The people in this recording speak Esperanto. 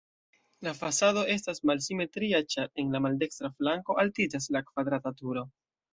La fasado estas malsimetria, ĉar en la maldekstra flanko altiĝas la kvadrata turo.